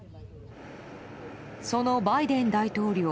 そのバイデン大統領。